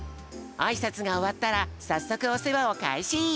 あいさつがおわったらさっそくおせわをかいし！